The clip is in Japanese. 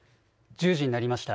１０時になりました。